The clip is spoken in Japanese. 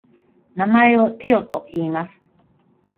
名前をテョといいます。